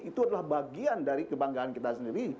itu adalah bagian dari kebanggaan kita sendiri